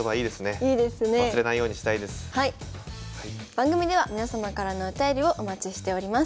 番組では皆様からのお便りをお待ちしております。